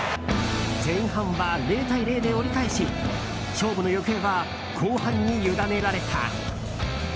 前半は０対０で折り返し勝負の行方は後半に委ねられた。